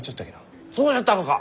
そうじゃったがか！？